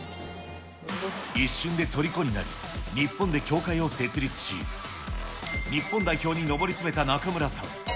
一瞬でとりこになり、日本で協会を設立し、日本代表に上り詰めた中村さん。